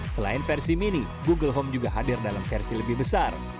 selain versi mini google home juga hadir dalam versi lebih besar